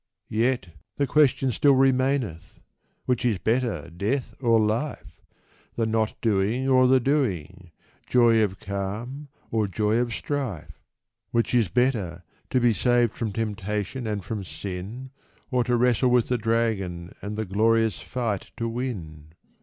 Yet — the question still remaineth ! Which is better, death or life ? The not doing, or the doing ? Joy of calm, or joy of strife ? Which is better — to be saved from temptation and from sin, Or to wrestle with the dragon and the glorious fight to win